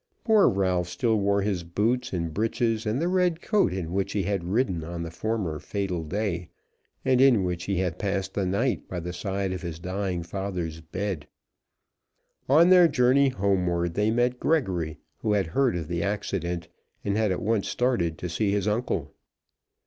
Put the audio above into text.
Poor Ralph still wore his boots and breeches and the red coat in which he had ridden on the former fatal day, and in which he had passed the night by the side of his dying father's bed. On their journey homeward they met Gregory, who had heard of the accident, and had at once started to see his uncle.